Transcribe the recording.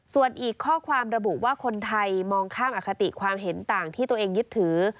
ส่วนอีกข้อความระบุว่าคนไทยมองข้ามอคติความเห็นต่างที่ตัวเองยึดถือ